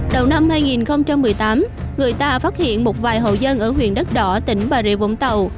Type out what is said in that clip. đầu năm hai nghìn một mươi tám người ta phát hiện một vài hộ dân ở huyện đất đỏ tỉnh bà rịa vũng tàu